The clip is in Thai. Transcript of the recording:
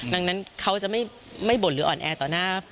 ดังนั้นเขาจะไม่บ่นหรืออ่อนแอต่อหน้า